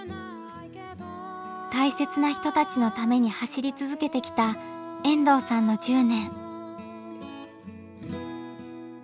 大切な人たちのために走り続けてきた遠藤さんの１０年。